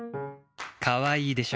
かわいいでしょ？